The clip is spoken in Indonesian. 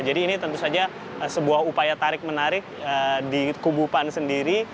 jadi ini tentu saja sebuah upaya tarik menarik di kubu pan sendiri